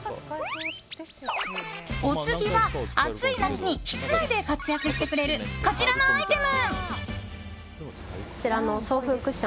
お次は暑い夏に室内で活躍してくれるこちらのアイテム。